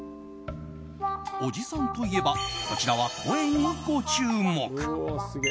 おじさんといえばこちらは声にご注目。